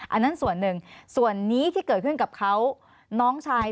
อันนั้นส่วนหนึ่งส่วนนี้ที่เกิดขึ้นกับเขาน้องชาย